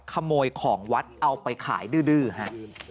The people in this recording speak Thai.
ขโมยของวัดเอาไปขายดื้อฮะ